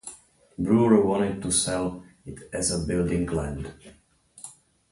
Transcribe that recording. Brewer wanted to sell it as building land.